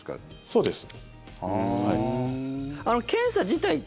そうです。